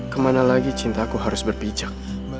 kemana lagi cintaku harus berpijak